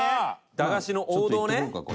駄菓子の王道ね。